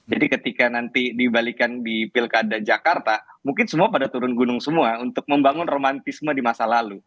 ketika nanti dibalikan di pilkada jakarta mungkin semua pada turun gunung semua untuk membangun romantisme di masa lalu